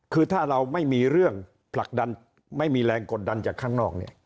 คือถ้าเราไม่มีเรื่องผลักดันไม่มีแรงกดดันจากข้างนอกเนี่ย